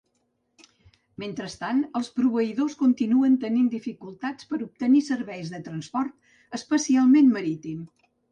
Mentrestant, els proveïdors continuen tenint dificultats per a obtenir serveis de transport, especialment marítim.